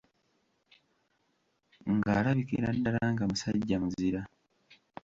Ng'alabikira ddala nga musajja muzira.